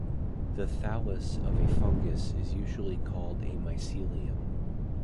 The thallus of a fungus is usually called a mycelium.